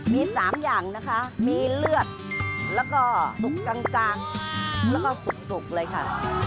มี๓อย่างนะคะมีเลือดแล้วก็สุกกลางแล้วก็สุกเลยค่ะ